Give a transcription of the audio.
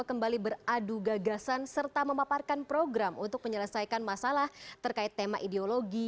kembali beradu gagasan serta memaparkan program untuk menyelesaikan masalah terkait tema ideologi